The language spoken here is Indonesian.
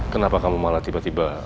kenapa kamu malah tiba tiba